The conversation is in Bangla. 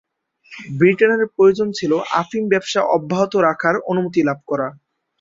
ব্রিটেনের প্রয়োজন ছিল আফিম ব্যবসা অব্যাহত রাখার অনুমতি লাভ করা।